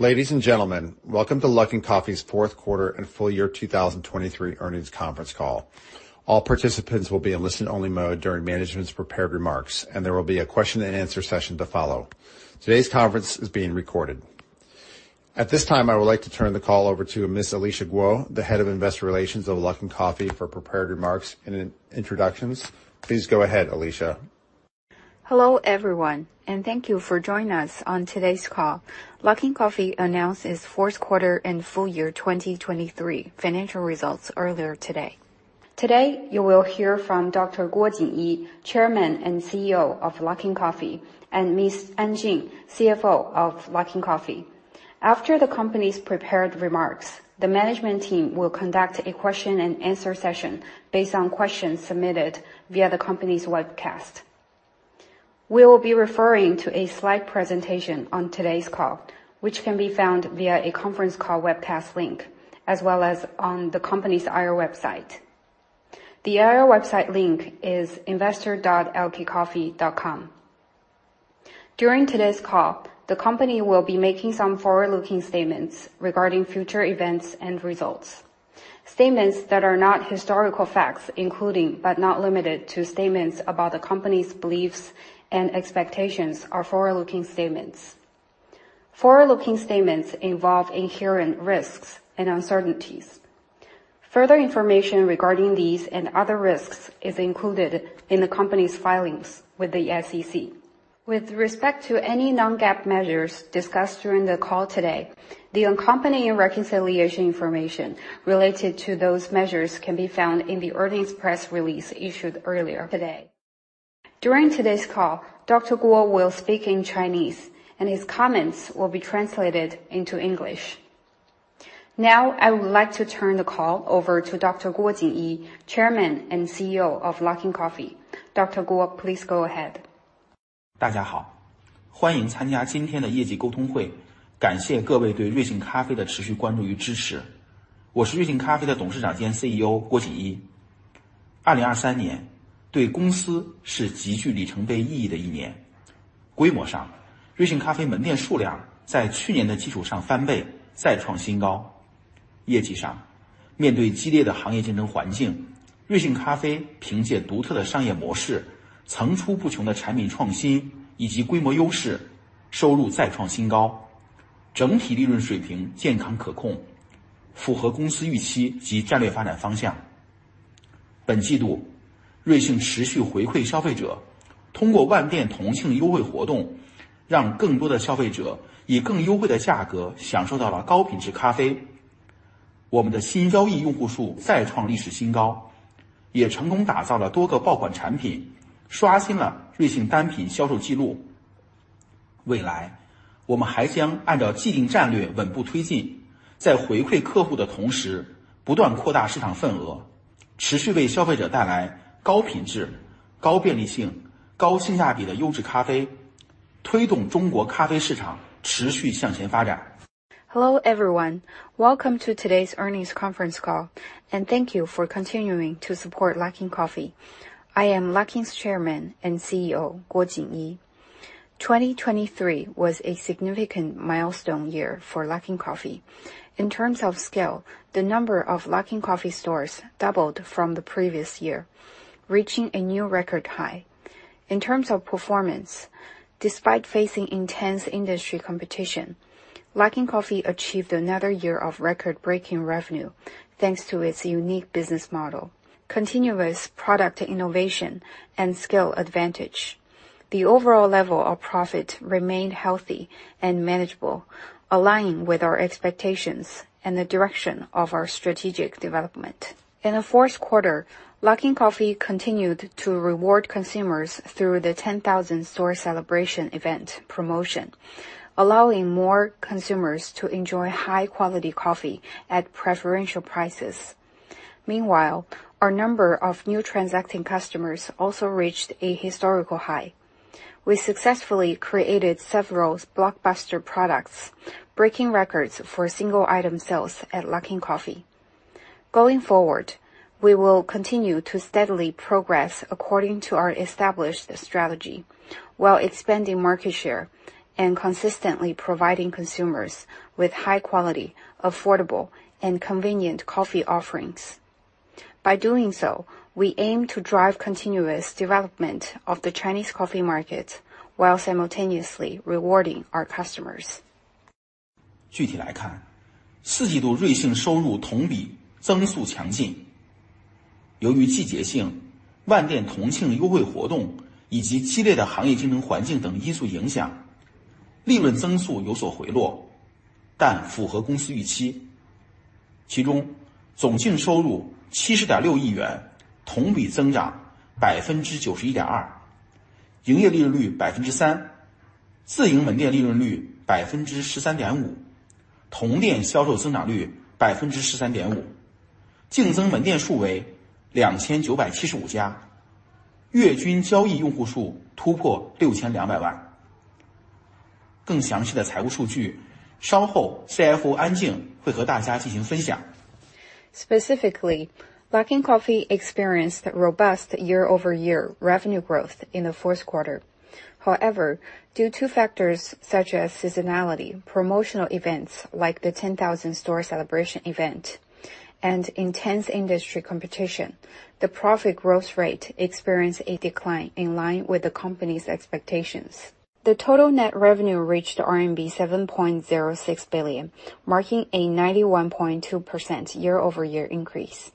Ladies and gentlemen, welcome to Luckin Coffee's fourth quarter and full year 2023 earnings conference call. All participants will be in listen-only mode during management's prepared remarks, and there will be a question-and-answer session to follow. Today's conference is being recorded. At this time, I would like to turn the call over to Ms. Alicia Guo, the head of investor relations of Luckin Coffee, for prepared remarks and introductions. Please go ahead, Alicia. Hello everyone, and thank you for joining us on today's call. Luckin Coffee announced its fourth quarter and full year 2023 financial results earlier today. Today you will hear from Dr. Jinyi Guo, chairman and CEO of Luckin Coffee, and Ms. Jing An, CFO of Luckin Coffee. After the company's prepared remarks, the management team will conduct a question-and-answer session based on questions submitted via the company's webcast. We will be referring to a slide presentation on today's call, which can be found via a conference call webcast link, as well as on the company's IR website. The IR website link is investor.luckincoffee.com. During today's call, the company will be making some forward-looking statements regarding future events and results. Statements that are not historical facts, including but not limited to statements about the company's beliefs and expectations, are forward-looking statements. Forward-looking statements involve inherent risks and uncertainties. Further information regarding these and other risks is included in the company's filings with the SEC. With respect to any non-GAAP measures discussed during the call today, the accompanying reconciliation information related to those measures can be found in the earnings press release issued earlier today. During today's call, Dr. Guo will speak in Chinese, and his comments will be translated into English. Now I would like to turn the call over to Dr. Jinyi Guo, Chairman and CEO of Luckin Coffee. Dr. Guo, please go ahead. 大家好，欢迎参加今天的业绩沟通会，感谢各位对瑞幸咖啡的持续关注与支持。我是瑞幸咖啡的董事长兼CEO郭景一。2023年对公司是极具里程碑意义的一年。规模上，瑞幸咖啡门店数量在去年的基础上翻倍，再创新高。业绩上，面对激烈的行业竞争环境，瑞幸咖啡凭借独特的商业模式、层出不穷的产品创新以及规模优势，收入再创新高。整体利润水平健康可控，符合公司预期及战略发展方向。本季度，瑞幸持续回馈消费者，通过万店同庆优惠活动，让更多的消费者以更优惠的价格享受到了高品质咖啡。我们的新交易用户数再创历史新高，也成功打造了多个爆款产品，刷新了瑞幸单品销售记录。未来，我们还将按照既定战略稳步推进，在回馈客户的同时不断扩大市场份额，持续为消费者带来高品质、高便利性、高性价比的优质咖啡，推动中国咖啡市场持续向前发展。Hello everyone, welcome to today's earnings conference call, and thank you for continuing to support Luckin Coffee. I am Luckin's Chairman and CEO, Jinyi Guo. 2023 was a significant milestone year for Luckin Coffee. In terms of scale, the number of Luckin Coffee stores doubled from the previous year, reaching a new record high. In terms of performance, despite facing intense industry competition, Luckin Coffee achieved another year of record-breaking revenue thanks to its unique business model, continuous product innovation, and scale advantage. The overall level of profit remained healthy and manageable, aligning with our expectations and the direction of our strategic development. In the fourth quarter, Luckin Coffee continued to reward consumers through the 10,000-store celebration event promotion, allowing more consumers to enjoy high-quality coffee at preferential prices. Meanwhile, our number of new transacting customers also reached a historical high. We successfully created several blockbuster products, breaking records for single-item sales at Luckin Coffee. Going forward, we will continue to steadily progress according to our established strategy while expanding market share and consistently providing consumers with high-quality, affordable, and convenient coffee offerings. By doing so, we aim to drive continuous development of the Chinese coffee market while simultaneously rewarding our customers. Specifically, Luckin Coffee experienced robust year-over-year revenue growth in the fourth quarter. However, due to factors such as seasonality, promotional events like the 10,000-store celebration event, and intense industry competition, the profit growth rate experienced a decline in line with the company's expectations. The total net revenue reached RMB 7.06 billion, marking a 91.2% year-over-year increase.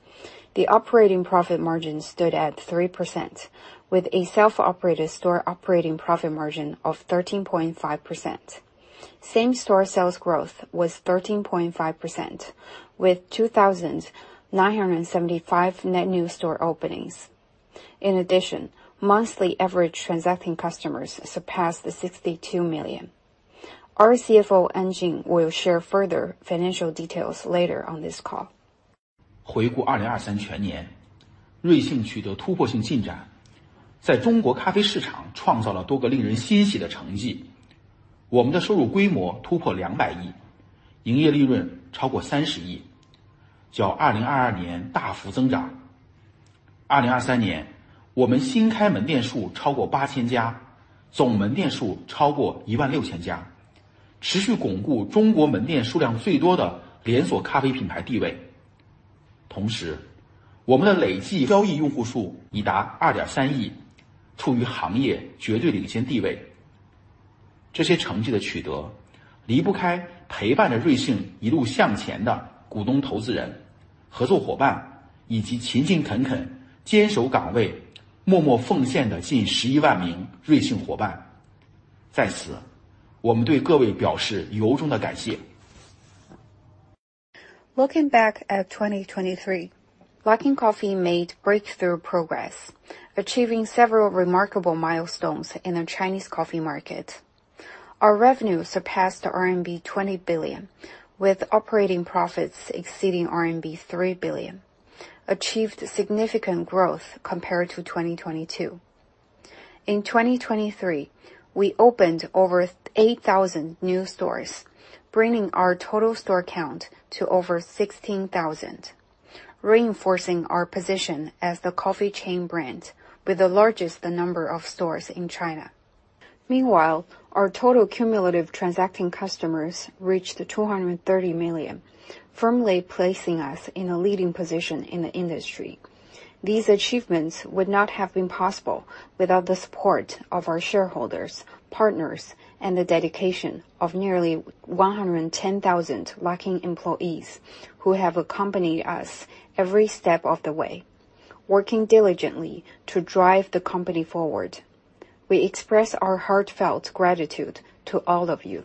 The operating profit margin stood at 3%, with a self-operated store operating profit margin of 13.5%. Same-store sales growth was 13.5%, with 2,975 net new store openings. In addition, monthly average transacting customers surpassed 62 million. Our CFO Jing An will share further financial details later on this call. Looking back at 2023, Luckin Coffee made breakthrough progress, achieving several remarkable milestones in the Chinese coffee market. Our revenue surpassed RMB 20 billion, with operating profits exceeding RMB 3 billion, achieving significant growth compared to 2022. In 2023, we opened over 8,000 new stores, bringing our total store count to over 16,000, reinforcing our position as the coffee chain brand with the largest number of stores in China. Meanwhile, our total cumulative transacting customers reached 230 million, firmly placing us in a leading position in the industry. These achievements would not have been possible without the support of our shareholders, partners, and the dedication of nearly 110,000 Luckin employees who have accompanied us every step of the way, working diligently to drive the company forward. We express our heartfelt gratitude to all of you.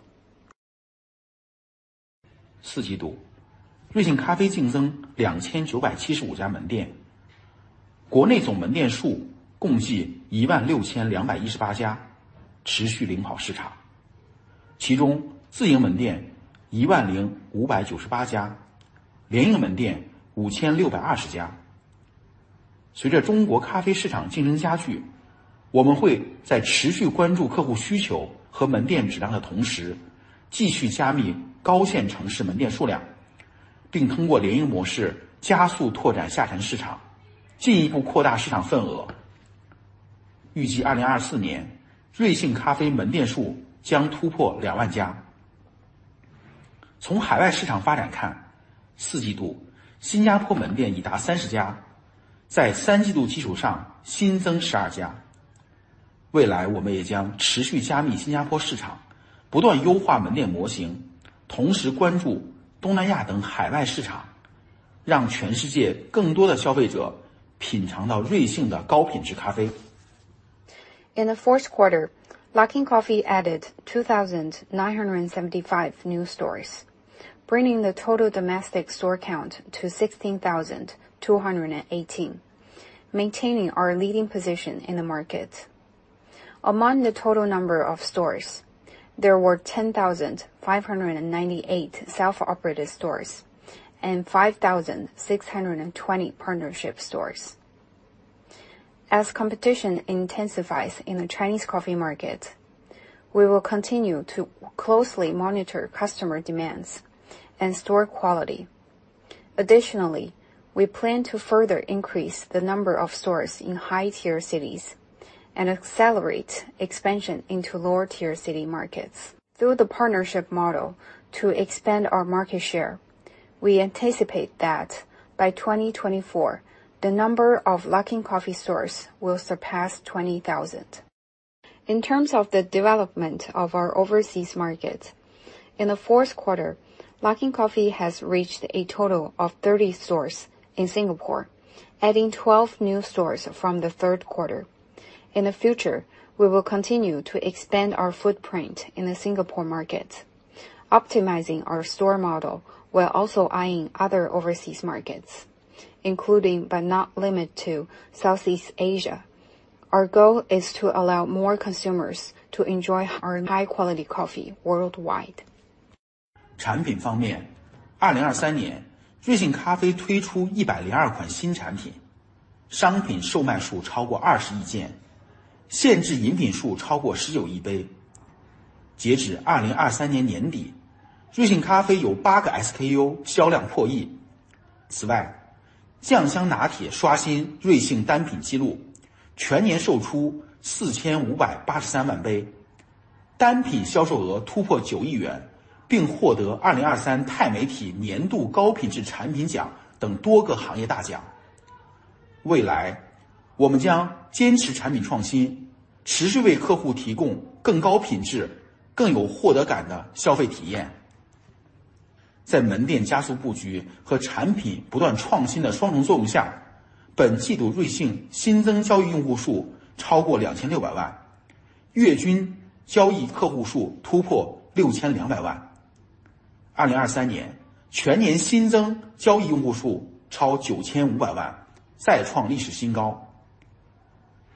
In the fourth quarter, Luckin Coffee added 2,975 new stores, bringing the total domestic store count to 16,218, maintaining our leading position in the market. Among the total number of stores, there were 10,598 self-operated stores and 5,620 partnership stores. As competition intensifies in the Chinese coffee market, we will continue to closely monitor customer demands and store quality. Additionally, we plan to further increase the number of stores in high-tier cities and accelerate expansion into lower-tier city markets. Through the partnership model to expand our market share, we anticipate that by 2024, the number of Luckin Coffee stores will surpass 20,000. In terms of the development of our overseas market, in the fourth quarter, Luckin Coffee has reached a total of 30 stores in Singapore, adding 12 new stores from the third quarter. In the future, we will continue to expand our footprint in the Singapore market, optimizing our store model while also eyeing other overseas markets, including but not limited to Southeast Asia. Our goal is to allow more consumers to enjoy our high-quality coffee worldwide.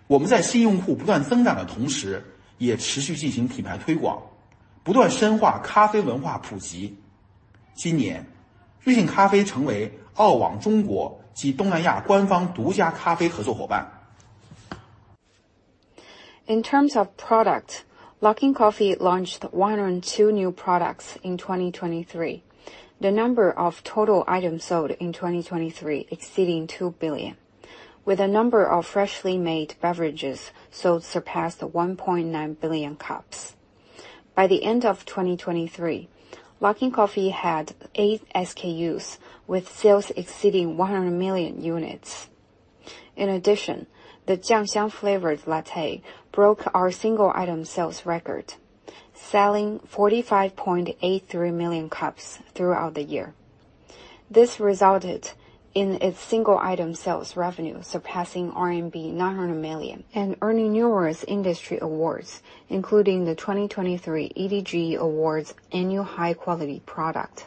In terms of product, Luckin Coffee launched 102 new products in 2023. The number of total items sold in 2023 exceeded 2 billion, with the number of freshly brewed drinks sold surpassed 1.9 billion cups. By the end of 2023, Luckin Coffee had eight SKUs, with sales exceeding 100 million units. In addition, the Jiangxiang Flavored Latte broke our single-item sales record, selling 45.83 million cups throughout the year. This resulted in its single-item sales revenue surpassing RMB 900 million and earning numerous industry awards, including the 2023 EDGE Awards Annual High-Quality Product.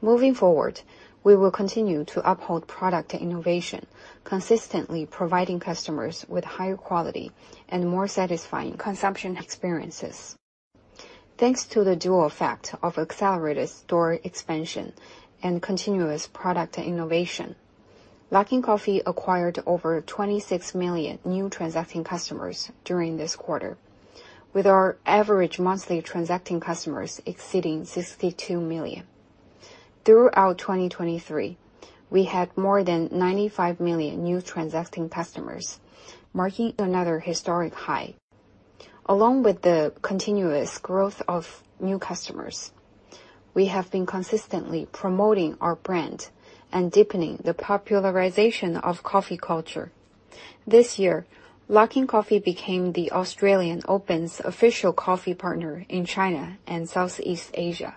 Moving forward, we will continue to uphold product innovation, consistently providing customers with higher quality and more satisfying consumption experiences. Thanks to the dual effect of accelerated store expansion and continuous product innovation, Luckin Coffee acquired over 26 million new transacting customers during this quarter, with our average monthly transacting customers exceeding 62 million. Throughout 2023, we had more than 95 million new transacting customers, marking another historic high. Along with the continuous growth of new customers, we have been consistently promoting our brand and deepening the popularization of coffee culture. This year, Luckin Coffee became the Australian Open's official coffee partner in China and Southeast Asia.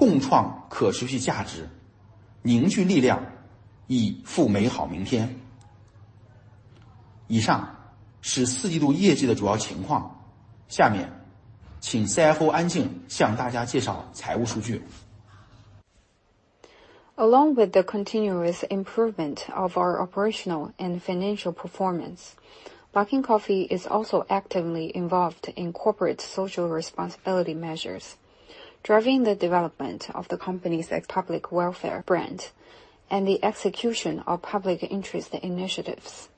Along with the continuous improvement of our operational and financial performance, Luckin Coffee is also actively involved in corporate social responsibility measures, driving the development of the company's public welfare brand and the execution of public interest initiatives.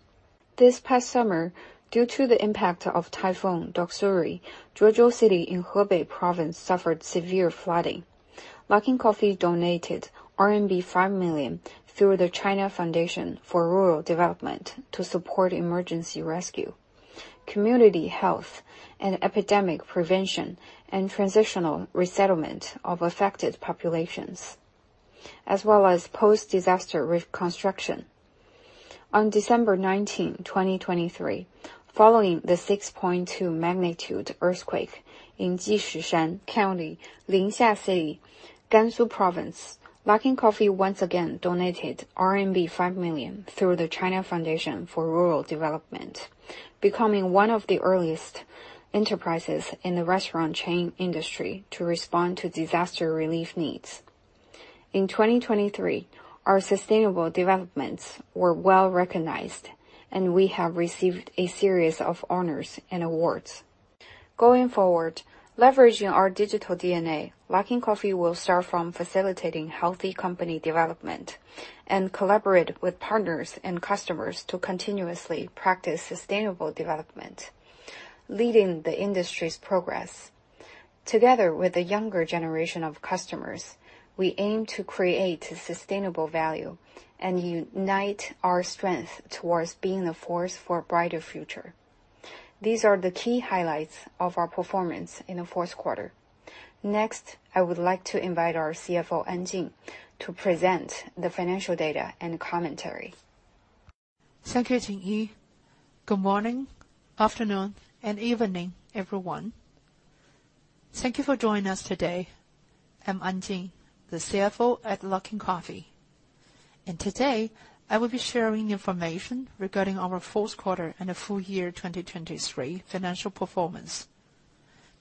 This past summer, due to the impact of Typhoon Doksuri, Zhuozhou City in Hebei Province suffered severe flooding. Luckin Coffee donated RMB 5 million through the China Foundation for Rural Development to support emergency rescue, community health and epidemic prevention, and transitional resettlement of affected populations, as well as post-disaster reconstruction. On December 19, 2023, following the 6.2 magnitude earthquake in Jishishan County, Linxia Hui Autonomous Prefecture, Gansu Province, Luckin Coffee once again donated RMB 5 million through the China Foundation for Rural Development, becoming one of the earliest enterprises in the restaurant chain industry to respond to disaster relief needs. In 2023, our sustainable developments were well recognized, and we have received a series of honors and awards. Going forward, leveraging our digital DNA, Luckin Coffee will start from facilitating healthy company development and collaborate with partners and customers to continuously practice sustainable development, leading the industry's progress. Together with the younger generation of customers, we aim to create sustainable value and unite our strength towards being a force for a brighter future. These are the key highlights of our performance in the fourth quarter. Next, I would like to invite our CFO, Jing An, to present the financial data and commentary. 谢谢谨一。Good morning, afternoon, and evening, everyone. Thank you for joining us today. I'm Jing An, the CFO at Luckin Coffee, and today I will be sharing information regarding our fourth quarter and the full year 2023 financial performance.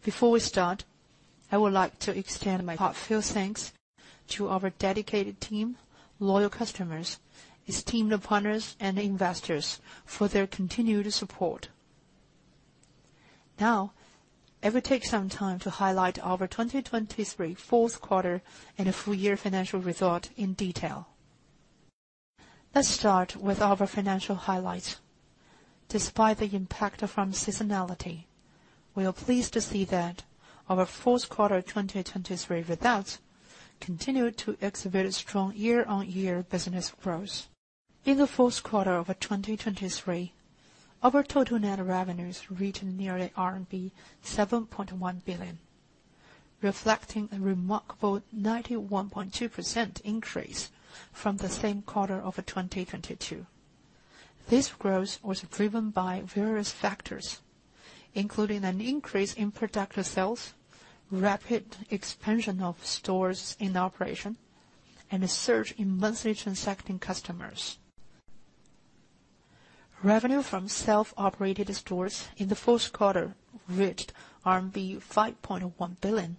Before we start, I would like to extend my heartfelt thanks to our dedicated team, loyal customers, esteemed partners, and investors for their continued support. Now, I will take some time to highlight our 2023 fourth quarter and the full year financial result in detail. Let's start with our financial highlights. Despite the impact from seasonality, we are pleased to see that our fourth quarter 2023 results continued to exhibit strong year-on-year business growth. In the fourth quarter of 2023, our total net revenues reached nearly RMB 7.1 billion, reflecting a remarkable 91.2% increase from the same quarter of 2022. This growth was driven by various factors, including an increase in productive sales, rapid expansion of stores in operation, and a surge in monthly transacting customers. Revenue from self-operated stores in the fourth quarter reached RMB 5.1 billion,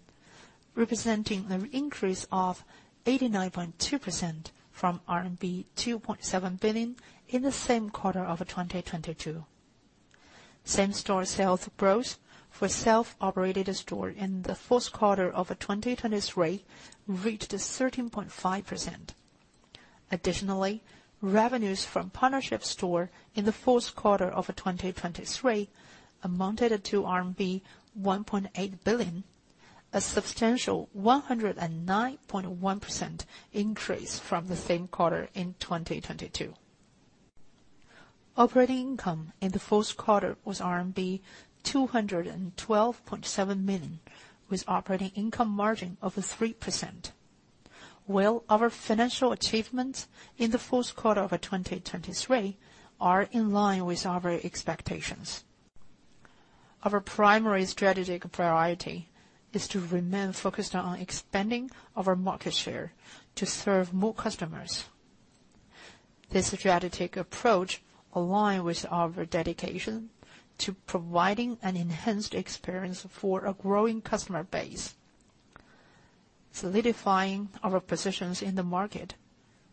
representing an increase of 89.2% from RMB 2.7 billion in the same quarter of 2022. Same-store sales growth for self-operated stores in the fourth quarter of 2023 reached 13.5%. Additionally, revenues from partnership stores in the fourth quarter of 2023 amounted to RMB 1.8 billion, a substantial 109.1% increase from the same quarter in 2022. Operating income in the fourth quarter was RMB 212.7 million, with an operating income margin of 3%. Well, our financial achievements in the fourth quarter of 2023 are in line with our expectations. Our primary strategic priority is to remain focused on expanding our market share to serve more customers. This strategic approach aligns with our dedication to providing an enhanced experience for a growing customer base, solidifying our positions in the market,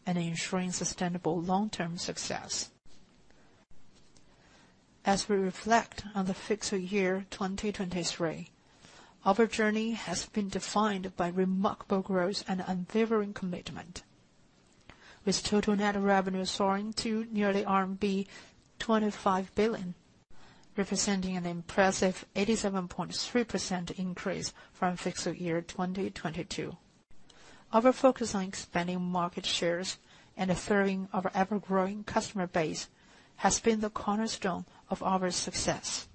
and ensuring sustainable long-term success. As we reflect on the fiscal year 2023, our journey has been defined by remarkable growth and unwavering commitment, with total net revenue soaring to nearly RMB 25 billion, representing an impressive 87.3% increase from fiscal year 2022. Our focus on expanding market shares and assuring our ever-growing customer base has been the cornerstone of our success.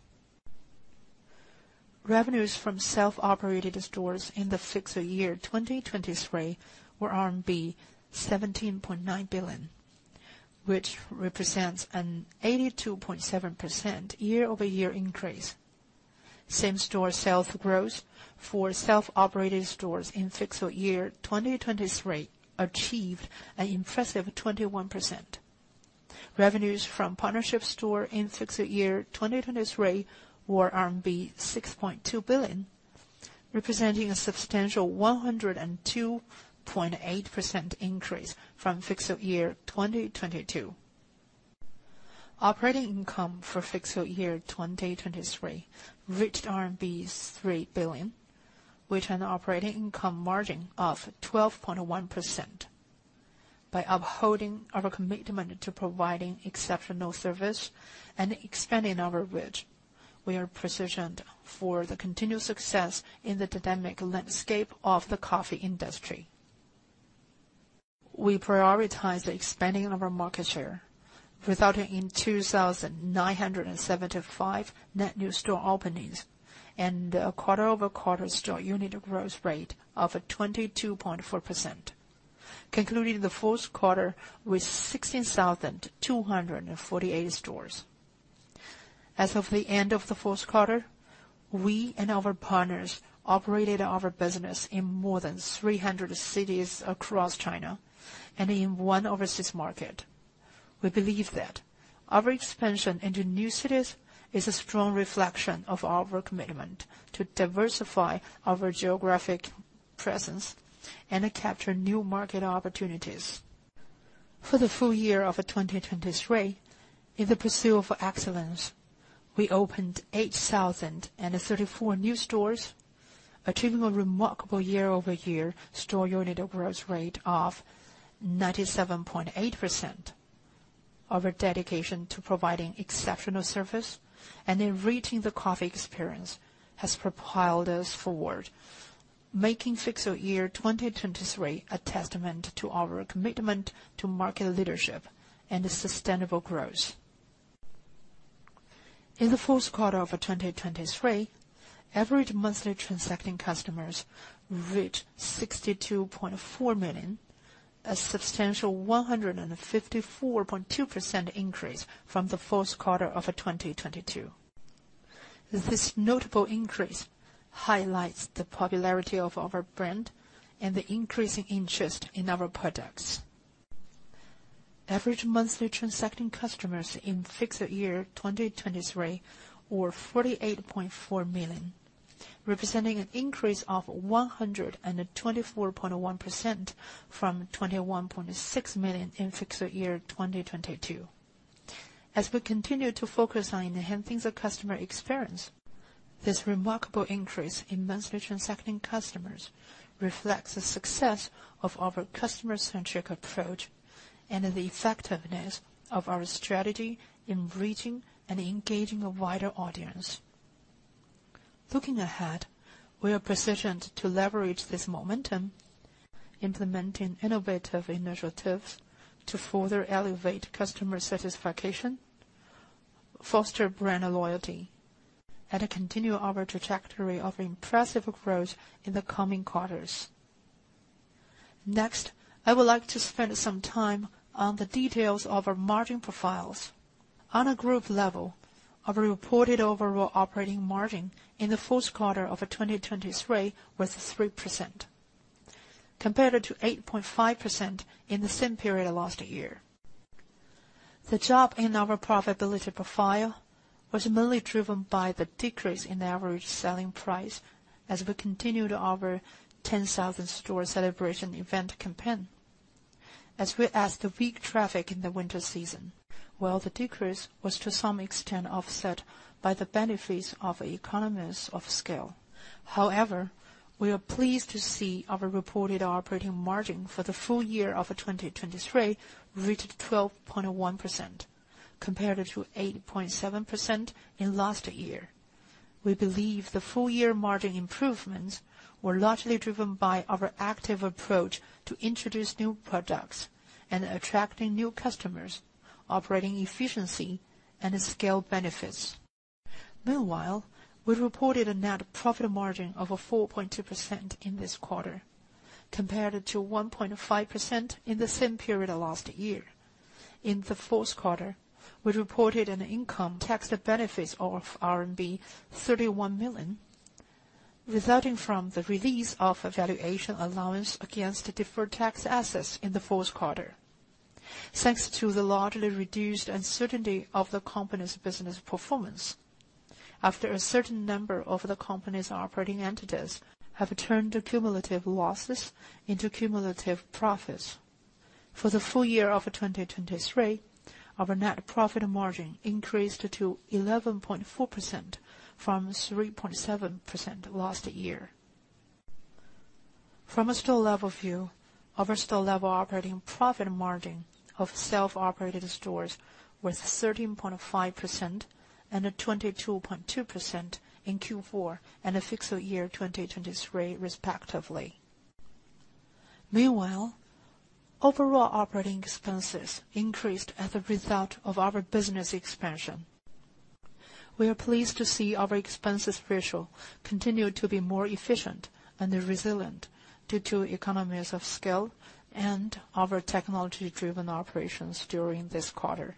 Revenues from self-operated stores in the fiscal year 2023 were 17.9 billion, which represents an 82.7% year-over-year increase. Same-store sales growth for self-operated stores in fiscal year 2023 achieved an impressive 21%. Revenues from partnership stores in fiscal year 2023 were RMB 6.2 billion, representing a substantial 102.8% increase from fiscal year 2022. Operating income for fiscal year 2023 reached 3 billion, with an operating income margin of 12.1%. By upholding our commitment to providing exceptional service and expanding our reach, we are positioned for the continued success in the dynamic landscape of the coffee industry. We prioritize expanding our market share resulting in 2,975 net new store openings and a quarter-over-quarter store unit growth rate of 22.4%, concluding the fourth quarter with 16,248 stores. As of the end of the fourth quarter, we and our partners operated our business in more than 300 cities across China and in one overseas market. We believe that our expansion into new cities is a strong reflection of our commitment to diversify our geographic presence and capture new market opportunities. For the full year of 2023, in the pursuit of excellence, we opened 8,034 new stores, achieving a remarkable year-over-year store unit growth rate of 97.8%. Our dedication to providing exceptional service and enriching the coffee experience has propelled us forward, making fiscal year 2023 a testament to our commitment to market leadership and sustainable growth. In the fourth quarter of 2023, average monthly transacting customers reached 62.4 million, a substantial 154.2% increase from the fourth quarter of 2022. This notable increase highlights the popularity of our brand and the increasing interest in our products. Average monthly transacting customers in fiscal year 2023 were 48.4 million, representing an increase of 124.1% from 21.6 million in fiscal year 2022. As we continue to focus on enhancing the customer experience, this remarkable increase in monthly transacting customers reflects the success of our customer-centric approach and the effectiveness of our strategy in reaching and engaging a wider audience. Looking ahead, we are positioned to leverage this momentum, implementing innovative initiatives to further elevate customer satisfaction, foster brand loyalty, and continue our trajectory of impressive growth in the coming quarters. Next, I would like to spend some time on the details of our margin profiles. On a group level, our reported overall operating margin in the fourth quarter of 2023 was 3%, compared to 8.5% in the same period last year. The drop in our profitability profile was mainly driven by the decrease in average selling price as we continue to offer 10,000-store celebration event campaigns. As we ascribed to weak traffic in the winter season, well, the decrease was to some extent offset by the benefits of economies of scale. However, we are pleased to see our reported operating margin for the full year of 2023 reached 12.1%, compared to 8.7% in last year. We believe the full-year margin improvements were largely driven by our active approach to introduce new products and attracting new customers, operating efficiency, and scale benefits. Meanwhile, we reported a net profit margin of 4.2% in this quarter, compared to 1.5% in the same period last year. In the fourth quarter, we reported an income tax benefit of RMB 31 million, resulting from the release of a valuation allowance against deferred tax assets in the fourth quarter, thanks to the largely reduced uncertainty of the company's business performance. After a certain number of the company's operating entities have turned accumulative losses into cumulative profits, for the full year of 2023, our net profit margin increased to 11.4% from 3.7% last year. From a store level view, our store level operating profit margin of self-operated stores was 13.5% and 22.2% in Q4 and the fiscal year 2023, respectively. Meanwhile, overall operating expenses increased as a result of our business expansion. We are pleased to see our expenses ratio continue to be more efficient and resilient due to economies of scale and our technology-driven operations during this quarter.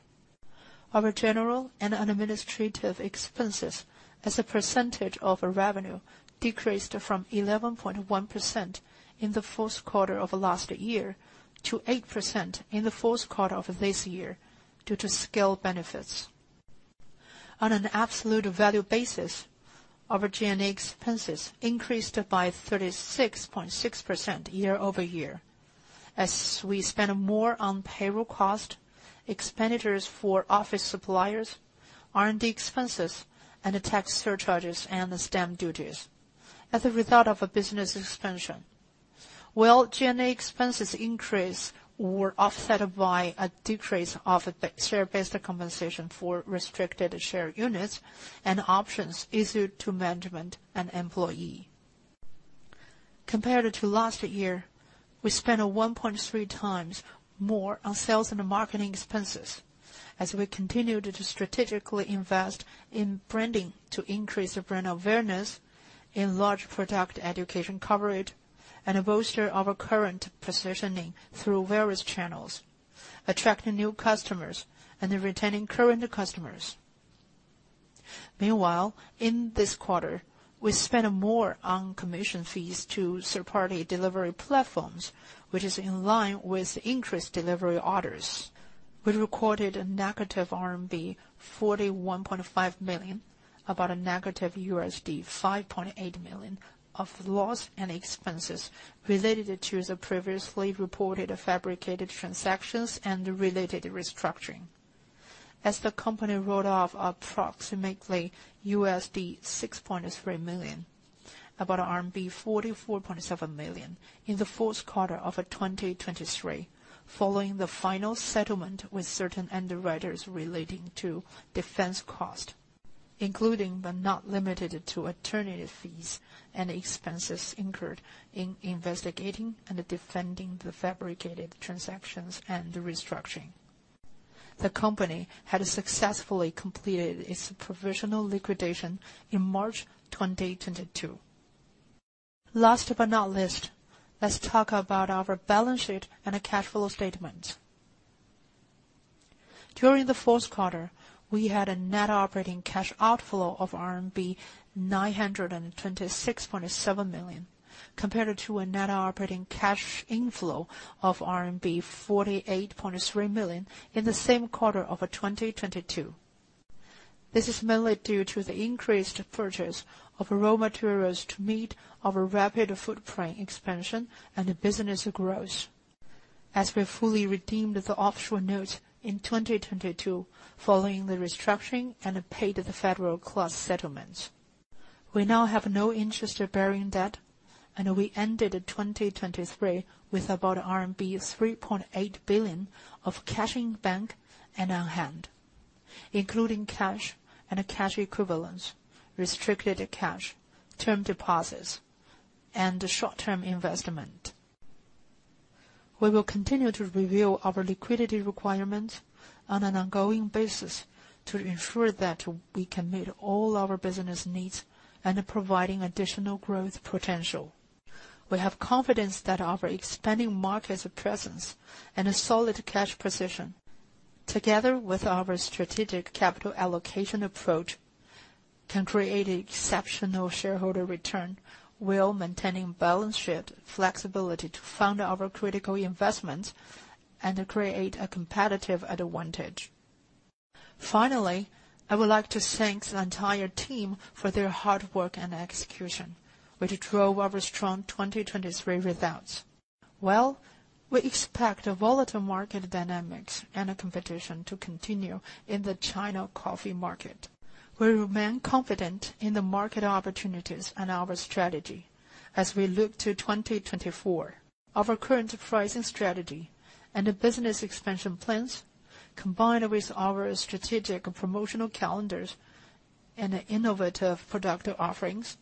Our general and administrative expenses, as a percentage of revenue, decreased from 11.1% in the fourth quarter of last year to 8% in the fourth quarter of this year due to scale benefits. On an absolute value basis, our G&A expenses increased by 36.6% year-over-year, as we spent more on payroll costs, expenditures for office suppliers, R&D expenses, and tax surcharges and stamp duties as a result of a business expansion. Well, G&A expenses increase were offset by a decrease of share-based compensation for restricted share units and options issued to management and employees. Compared to last year, we spent 1.3 times more on sales and marketing expenses as we continued to strategically invest in branding to increase brand awareness, enlarge product education coverage, and bolster our current positioning through various channels, attracting new customers and retaining current customers. Meanwhile, in this quarter, we spent more on commission fees to third-party delivery platforms, which is in line with increased delivery orders. We recorded a negative RMB 41.5 million, about a negative $5.8 million of loss and expenses related to the previously reported fabricated transactions and related restructuring, as the company wrote off approximately $6.3 million, about RMB 44.7 million in the fourth quarter of 2023, following the final settlement with certain underwriters relating to defense costs, including but not limited to attorneys' fees and expenses incurred in investigating and defending the fabricated transactions and restructuring. The company had successfully completed its provisional liquidation in March 2022. Last but not least, let's talk about our balance sheet and cash flow statements. During the fourth quarter, we had a net operating cash outflow of RMB 926.7 million, compared to a net operating cash inflow of RMB 48.3 million in the same quarter of 2022. This is mainly due to the increased purchase of raw materials to meet our rapid footprint expansion and business growth, as we fully redeemed the offshore notes in 2022 following the restructuring and paid the federal class settlements. We now have no interest bearing debt, and we ended 2023 with about RMB 3.8 billion of cash in bank and on hand, including cash and cash equivalents, restricted cash, term deposits, and short-term investment. We will continue to review our liquidity requirements on an ongoing basis to ensure that we can meet all our business needs and provide additional growth potential. We have confidence that our expanding market presence and solid cash position, together with our strategic capital allocation approach, can create exceptional shareholder return while maintaining balance sheet flexibility to fund our critical investments and create a competitive advantage. Finally, I would like to thank the entire team for their hard work and execution, which drove our strong 2023 results. Well, we expect volatile market dynamics and competition to continue in the China coffee market. We remain confident in the market opportunities and our strategy as we look to 2024. Our current pricing strategy and business expansion plans, combined with our strategic promotional calendars and innovative product offerings,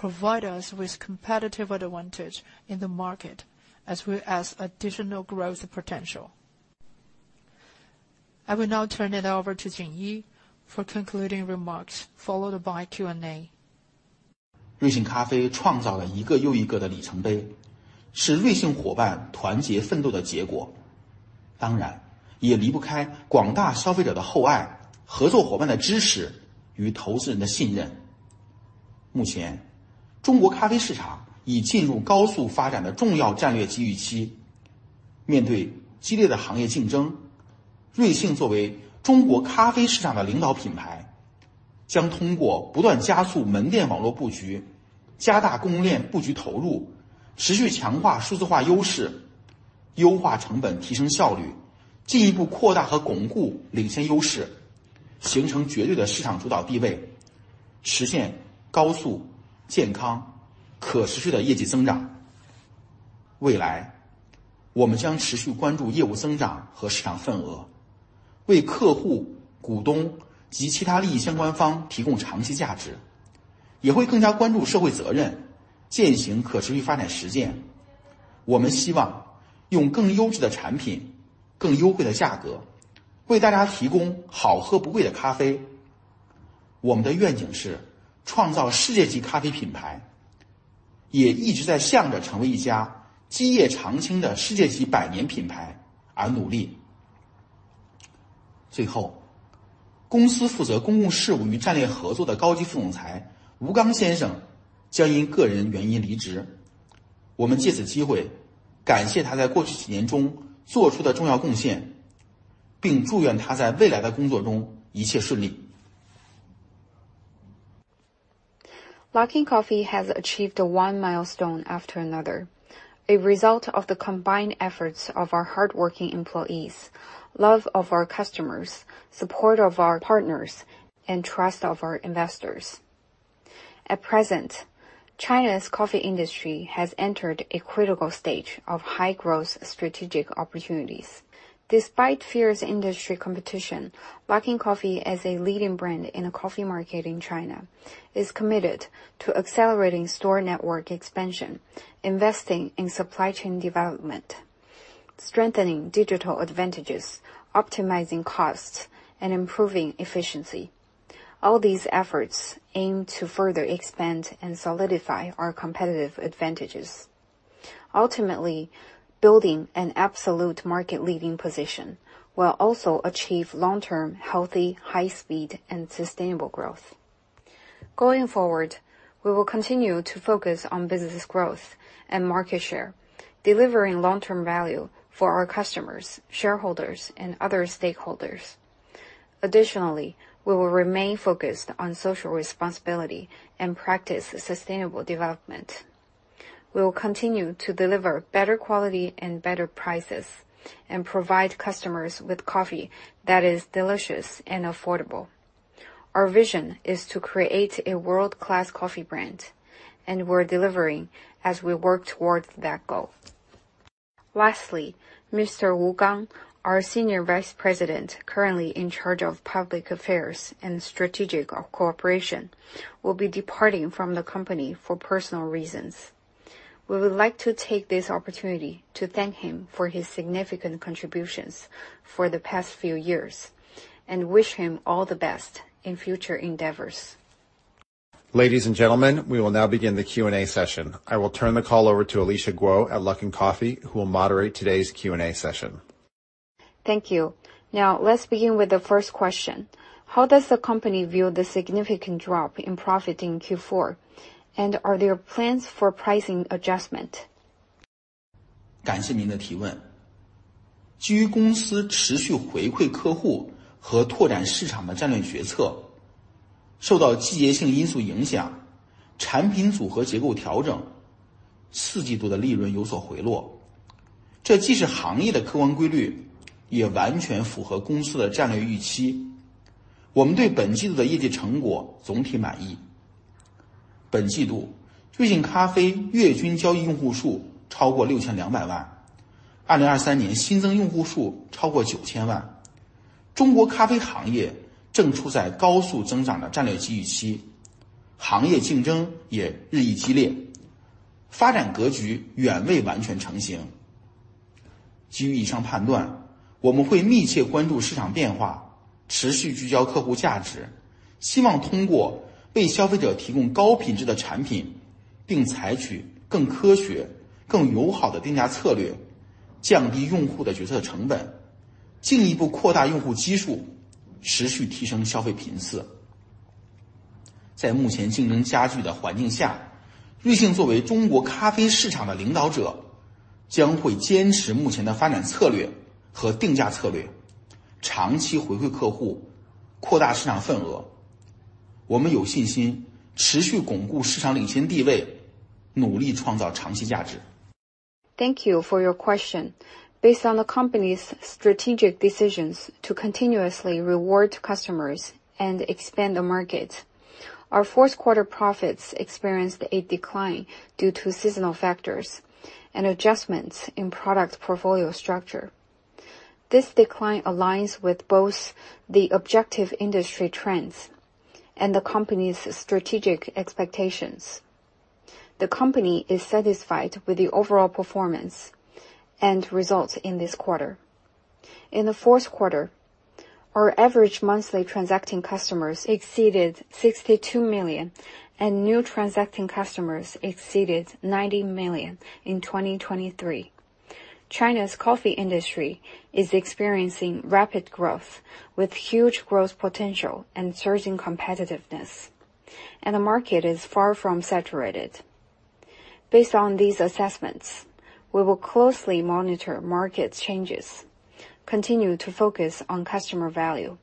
provide us with competitive advantage in the market as well as additional growth potential. I will now turn it over to Jing An for concluding remarks, followed by Q&A. Luckin Coffee has achieved one milestone after another, a result of the combined efforts of our hardworking employees, love of our customers, support of our partners, and trust of our investors. At present, China's coffee industry has entered a critical stage of high-growth strategic opportunities. Despite fierce industry competition, Luckin Coffee, as a leading brand in the coffee market in China, is committed to accelerating store network expansion, investing in supply chain development, strengthening digital advantages, optimizing costs, and improving efficiency. All these efforts aim to further expand and solidify our competitive advantages, ultimately building an absolute market-leading position while also achieving long-term healthy, high-speed, and sustainable growth. Going forward, we will continue to focus on business growth and market share, delivering long-term value for our customers, shareholders, and other stakeholders. Additionally, we will remain focused on social responsibility and practice sustainable development. We will continue to deliver better quality and better prices and provide customers with coffee that is delicious and affordable. Our vision is to create a world-class coffee brand, and we're delivering as we work towards that goal. Lastly, Mr. Gang Wu, our Senior Vice President currently in charge of public affairs and strategic cooperation, will be departing from the company for personal reasons. We would like to take this opportunity to thank him for his significant contributions for the past few years and wish him all the best in future endeavors. Ladies and gentlemen, we will now begin the Q&A session. I will turn the call over to Alicia Guo at Luckin Coffee, who will moderate today's Q&A session. Thank you. Now, let's begin with the first question. How does the company view the significant drop in profit in Q4, and are there plans for pricing adjustment? Thank you for your question. Based on the company's strategic decisions to continuously reward customers and expand the market, our fourth-quarter profits experienced a decline due to seasonal factors and adjustments in product portfolio structure. This decline aligns with both the objective industry trends and the company's strategic expectations. The company is satisfied with the overall performance and results in this quarter. In the fourth quarter, our average monthly transacting customers exceeded 62 million, and new transacting customers exceeded 90 million in 2023. China's coffee industry is experiencing rapid growth with huge growth potential and surging competitiveness, and the market is far from saturated. Based on these assessments, we will closely monitor market changes, continue to focus on customer value,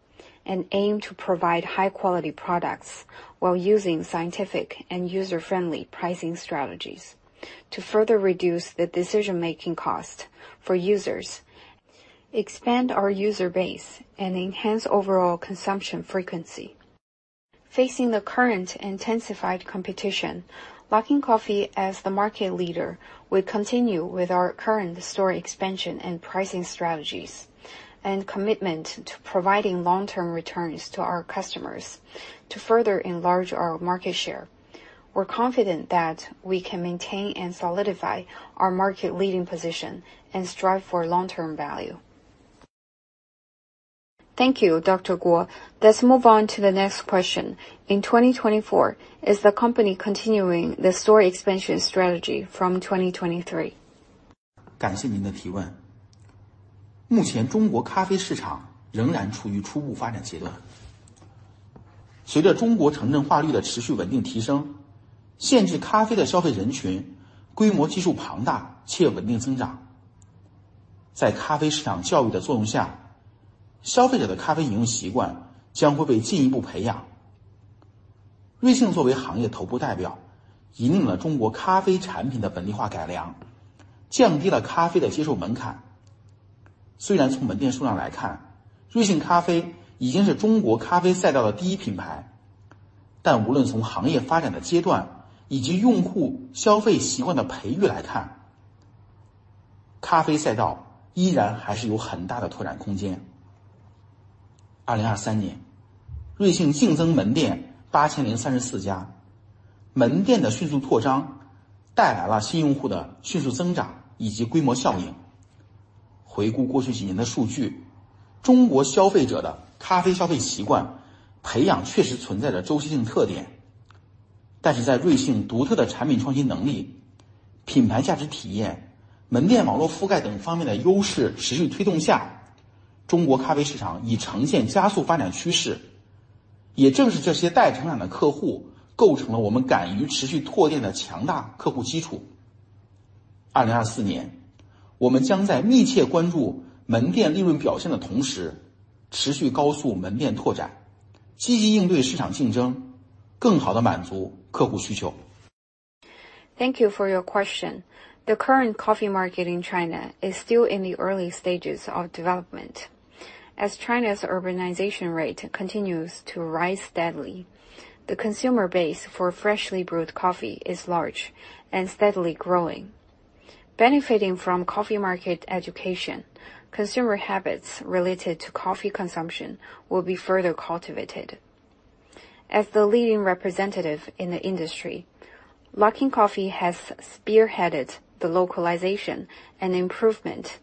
and aim to provide high-quality products while using scientific and user-friendly pricing strategies to further reduce the decision-making cost for users, expand our user base, and enhance overall consumption frequency. Facing the current intensified competition, Luckin Coffee, as the market leader, will continue with our current store expansion and pricing strategies and commitment to providing long-term returns to our customers to further enlarge our market share. We're confident that we can maintain and solidify our market-leading position and strive for long-term value. Thank you, Dr. Guo. Let's move on to the next question. In 2024, is the company continuing the store expansion strategy from 2023? Thank you for your question. The current coffee market in China is still in the early stages of development. As China's urbanization rate continues to rise steadily, the consumer base for freshly brewed coffee is large and steadily growing. Benefiting from coffee market education, consumer habits related to coffee consumption will be further cultivated. As the leading representative in the industry, Luckin Coffee has spearheaded the localization and improvement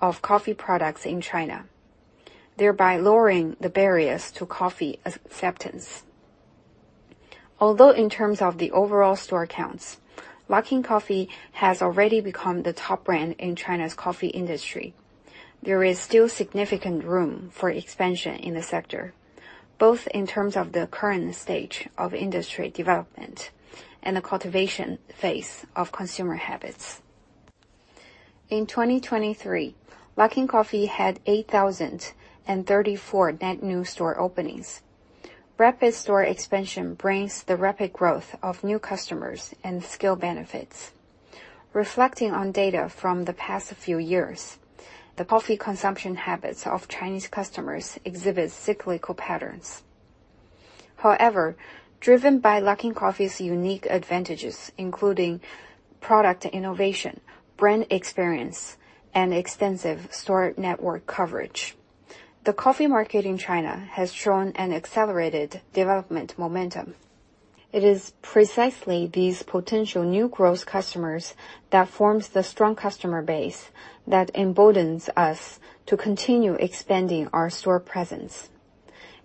of coffee products in China, thereby lowering the barriers to coffee acceptance. Although in terms of the overall store counts, Luckin Coffee has already become the top brand in China's coffee industry, there is still significant room for expansion in the sector, both in terms of the current stage of industry development and the cultivation phase of consumer habits. In 2023, Luckin Coffee had 8,034 net new store openings. Rapid store expansion brings the rapid growth of new customers and skill benefits. Reflecting on data from the past few years, the coffee consumption habits of Chinese customers exhibit cyclical patterns. However, driven by Luckin Coffee's unique advantages, including product innovation, brand experience, and extensive store network coverage, the coffee market in China has shown an accelerated development momentum. It is precisely these potential new growth customers that form the strong customer base that emboldens us to continue expanding our store presence.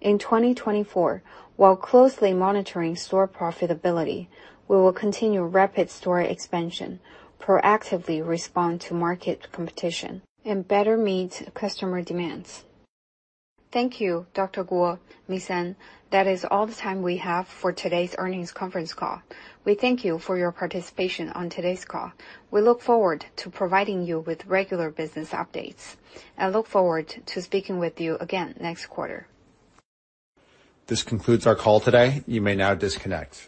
In 2024, while closely monitoring store profitability, we will continue rapid store expansion, proactively respond to market competition, and better meet customer demands. Thank you, Dr. Guo, Ms. An. That is all the time we have for today's earnings conference call. We thank you for your participation on today's call. We look forward to providing you with regular business updates, and look forward to speaking with you again next quarter. This concludes our call today. You may now disconnect.